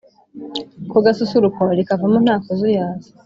Ku gasusuruko rika vamo ntakuzuyaza